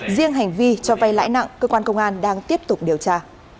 riêng hành vi cho vay lãi nặng cơ quan công an đang tiếp tục điều tra